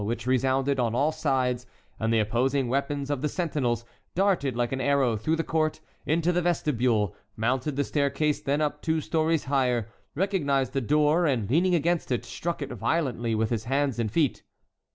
which resounded on all sides, and the opposing weapons of the sentinels, darted like an arrow through the court, into the vestibule, mounted the staircase, then up two stories higher, recognized a door, and leaning against it, struck it violently with his hands and feet.